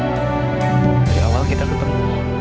dari awal kita ketemu